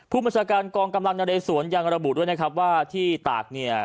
ผู้บัญชาการกองกำลังนเรสวนยังระบุด้วยนะครับว่าที่ตากเนี่ย